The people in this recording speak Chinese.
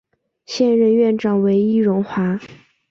现任院长为易荣华。